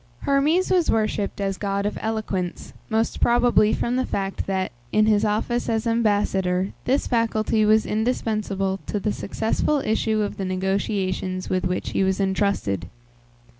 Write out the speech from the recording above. Hermes was worshipped as god of eloquence, most probably from the fact that, in his office as ambassador, this faculty was indispensable to the successful issue of the negotiations with which he was intrusted.